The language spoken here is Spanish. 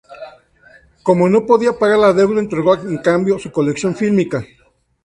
Como no podía pagar la deuda entregó en cambio su colección fílmica.